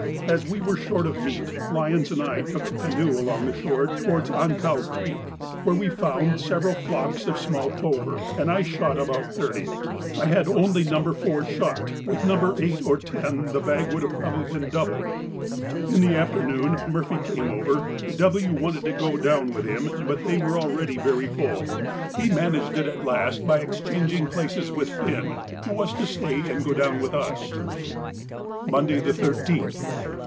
As we were short of meat Lyons and I took the canoe along the shore towards Ankau Creek, where we found several flocks of small plover, and I shot about thirty. I had only No. 4 shot; with No. 8 or 10 the bag would probably have been doubled. In the afternoon Murphy came over; W. wanted to go down with him, but they were already very full. He managed it at last by exchanging places with Finn, who was to stay and go down with us. _Monday, the 13th.